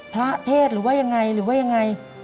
พระเทศหรือว่ายังไงหรือว่ายังไง